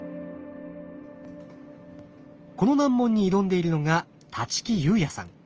この難問に挑んでいるのが立木佑弥さん。